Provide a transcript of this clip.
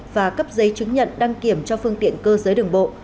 và cấp giấy chứng nhận đăng kiểm cho phương tiện cơ giới đường bộ